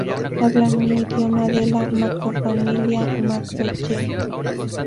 Hablan un idioma de la macrofamilia Macro-Yê.